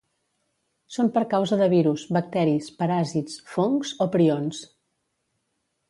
Són per causa de virus, bacteris, paràsits, fongs o prions.